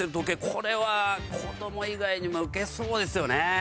これは子ども以外にもウケそうですよね。